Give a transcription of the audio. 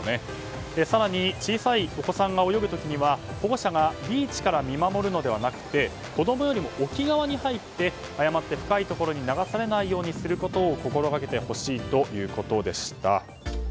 更に、小さいお子さんが泳ぐ時は保護者がビーチから見守るのではなくて子供よりも沖側に入って誤って深いところに流されないようにすることを心がけてほしいということです。